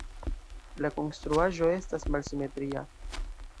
La konstruaĵo estas malsimetria.